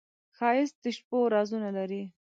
ښایست د شپو رازونه لري